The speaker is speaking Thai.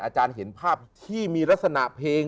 อาจารย์เห็นภาพที่มีลักษณะเพลง